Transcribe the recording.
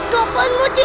itu apaan mocik